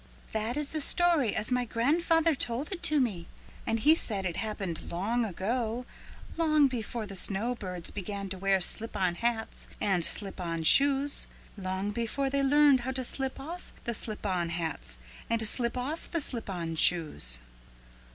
"That is the story as my grandfather told it to me. And he said it happened long ago, long before the snow birds began to wear slip on hats and slip on shoes, long before they learned how to slip off the slip on hats and to slip off the slip on shoes."